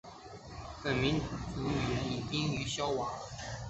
本民族语言已濒于消亡。